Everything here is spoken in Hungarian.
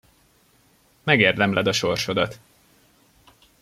Megérdemled a sorsodat!